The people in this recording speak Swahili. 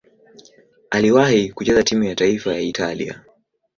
Aliwahi kucheza timu ya taifa ya Italia.